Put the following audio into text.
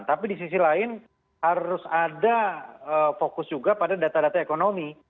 tapi di sisi lain harus ada fokus juga pada data data ekonomi